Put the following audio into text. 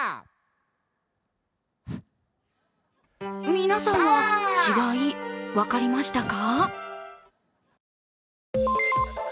皆さんは違い、分かりましたか？